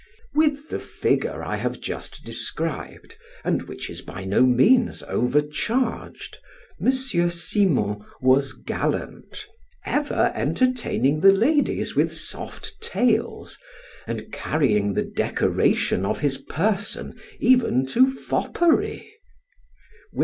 With the figure I have just described, and which is by no means overcharged, M. Simon was gallant, ever entertaining the ladies with soft tales, and carrying the decoration of his person even to foppery.